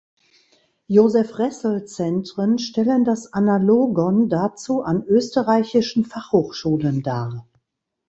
Josef Ressel Zentren stellen das Analogon dazu an österreichischen Fachhochschulen dar.